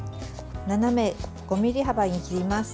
斜め５ｍｍ幅に切ります。